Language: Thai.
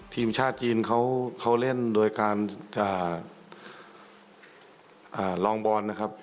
ทีมชาติจีนเขาเล่นโดยการลองบอลนะครับ